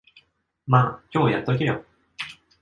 ま、今日やっとけよ。